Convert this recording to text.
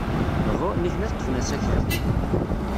Uhu, nitni ad ḍḍfen asakal.